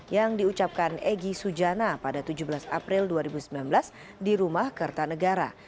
yang diucapkan egy sujana pada tujuh belas april dua ribu sembilan belas di rumah kertanegara